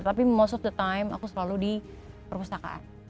tapi most of the time aku selalu di perpustakaan